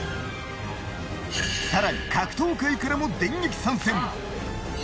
更に格闘界からも電撃参戦！